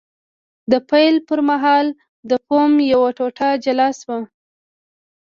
د پیل پر مهال د فوم یوه ټوټه جلا شوه.